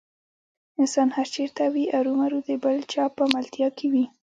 انسان هر چېرته وي ارومرو د بل چا په ملتیا کې وي.